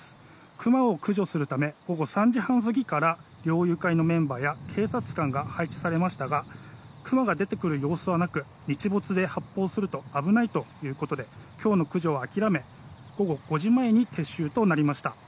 クマを駆除するため午後３時半過ぎから猟友会のメンバーや警察官が配置されましたがクマが出てくる様子はなく日没で発砲すると危ないということで今日の駆除は諦め午後５時前に撤収となりました。